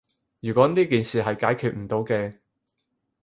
如果呢件事係解決唔到嘅